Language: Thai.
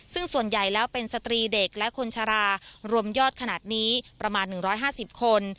ซึ่งส่วนใหญ่แล้วเป็นสตรีเด็กและคนชรารวมยอดขนาดนี้ประมาณ๑๕๐คน